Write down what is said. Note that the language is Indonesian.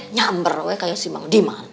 nyamber lo ya kayak si bangudiman